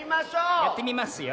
やってみますよ。